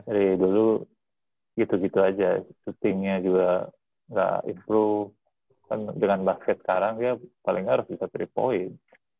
dari dulu gitu gitu aja setting nya juga nggak improve kan dengan basket sekarang ya paling nggak harus bisa tiga point